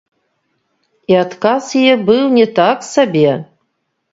І адказ яе быў не так сабе.